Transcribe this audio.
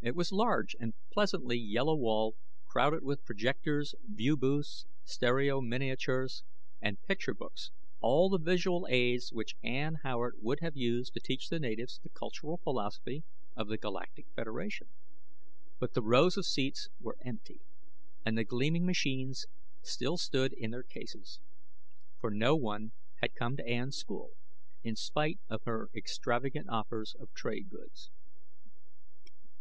It was large and pleasantly yellow walled, crowded with projectors, view booths, stereo miniatures, and picture books all the visual aids which Ann Howard would have used to teach the natives the cultural philosophy of the Galactic Federation. But the rows of seats were empty, and the gleaming machines still stood in their cases. For no one had come to Ann's school, in spite of her extravagant offers of trade goods.